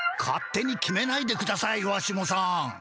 勝手に決めないでくださいわしもさん。